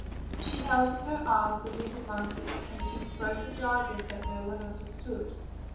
She held in her arms a little monkey, and she spoke a jargon that no one understood.